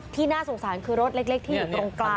น่าสงสารคือรถเล็กที่อยู่ตรงกลาง